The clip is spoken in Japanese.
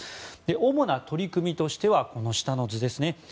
主な取り組みとしては下の図ですね。